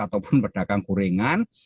ataupun pedagang gorengan